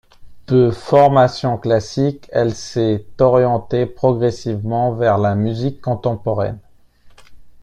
De formation classique, elle s'est orientée progressivement vers la musique contemporaine.